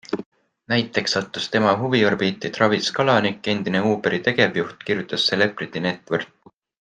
Näiteks sattus tema huviorbiiti Travis Kalanick, endine Uberi tegevjuht, kirjutas CelebrityNetworth.